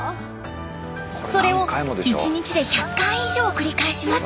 それを１日で１００回以上繰り返します。